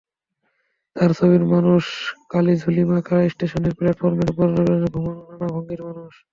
তাঁর ছবির মানুষ কালিঝুলিমাখা, স্টেশনের প্ল্যাটফর্মের ওপর ঘুমানো নানা ভঙ্গির মানুষ।